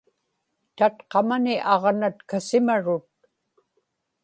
tatqamani aġnat kasimarut